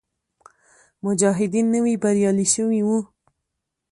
مجاهدین نوي بریالي شوي وو.